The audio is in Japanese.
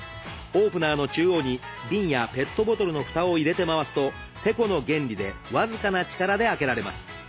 オープナーの中央に瓶やペットボトルのふたを入れて回すとてこの原理で僅かな力で開けられます。